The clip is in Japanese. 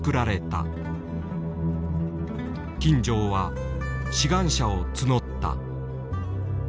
金城は志願者を募った。